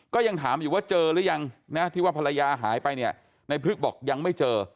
ก็ยังถามอยู่ว่าเจอหรือยังนะที่ว่าภรรยาหายไปเนี่ยในพลึกบอกยังไม่เจอ